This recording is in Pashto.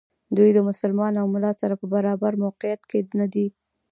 دوی له مسلمان او ملا سره په برابر موقعیت کې ندي.